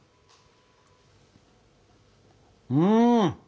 うん！